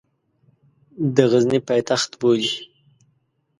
د غزني پایتخت بولي.